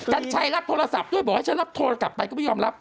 กันชัยรับทิศภาพด้วยบอกให้ชั้นรับทิศภาพกลับไปก็ไม่ยอมรับ